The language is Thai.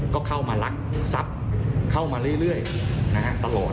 ก็เข้ามารักษัตริย์เข้ามาเรื่อยนะคะ